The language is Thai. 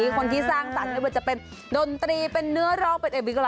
คนที่สร้างตามในเวิลจะเป็นดนตรีเป็นเนื้อรองถึงอะไรแต่นะ